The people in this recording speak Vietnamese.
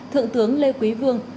thượng tướng lê quý vương